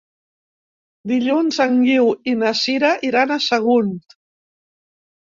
Dilluns en Guiu i na Sira iran a Sagunt.